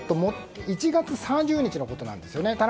１月３０日のことなんですよね。